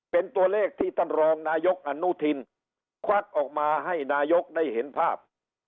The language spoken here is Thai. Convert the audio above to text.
เป็นตัวเลขที่ท่านรองนายกอนุทินควักออกมาให้นายกได้เห็นภาพ